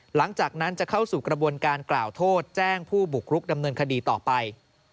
หลังจากนั้นจะเข้าสู่กระบวนการกล่าวโทษแจ้งผู้บุกรุกดำเนินคดีต่อไป